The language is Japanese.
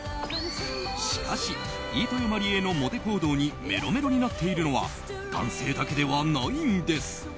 しかし、飯豊まりえのモテ行動にメロメロになっているのは男性だけではないんです。